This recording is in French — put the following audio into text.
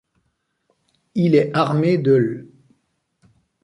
Il est armée de l'.